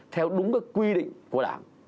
theo đúng cái quy định của đảng